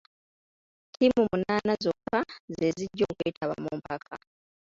Ttiimu munaana zokka ze zijja okwetaba mu mpaka.